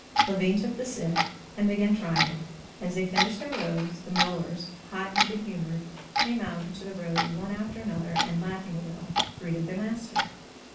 Levin took the scythe, and began trying it. As they finished their rows, the mowers, hot and good humored, came out into the road one after another, and, laughing a little, greeted the master.